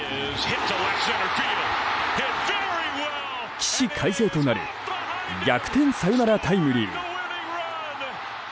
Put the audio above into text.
起死回生となる逆転サヨナラタイムリー。